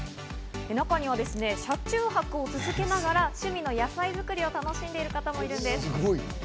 中には車中泊を続けながら趣味の野菜作りを楽しんでいる方もいるんです。